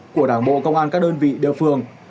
của đảng bộ công an các đơn vị địa phương